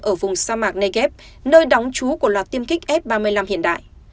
ở vùng sa mạc negev nơi đóng chú của loạt tiêm kích f ba mươi năm hiện đại